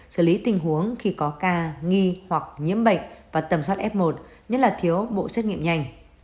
xử lý tình huống khi có ca nghi hoặc nhiễm bệnh và tầm soát f một nhất là thiếu bộ xét nghiệm nhanh